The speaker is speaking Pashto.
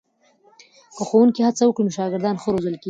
که ښوونکي هڅه وکړي نو شاګردان ښه روزل کېږي.